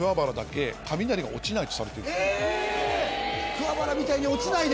桑原みたいに落ちないで！